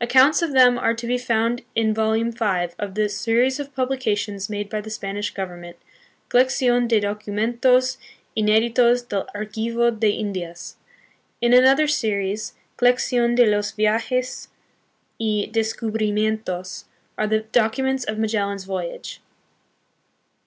Accounts of them are to be found in volume five of the series of publications made by the Spanish Govern ment, Colecdon de Documentos Ineditos del Archivo de Indias. In another series, Colecdon de los Viajes y Des cubrimientos, are the documents of Magellan's voyage.